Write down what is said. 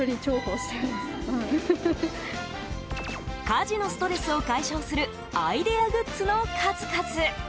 家事のストレスを解消するアイデアグッズの数々。